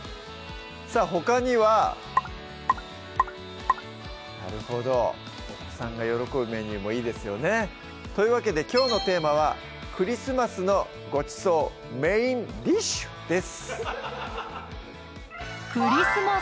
さぁほかにはなるほどお子さんが喜ぶメニューもいいですよねというわけできょうのテーマは「クリスマスのごちそうメインディッシュ」です